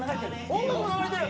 音楽流れてる。